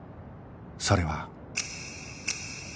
それは